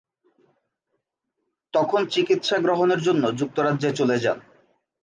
তখন চিকিৎসা গ্রহণের জন্য যুক্তরাজ্যে চলে যান।